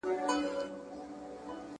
.چي ښکلي یادومه ستا له نومه حیا راسي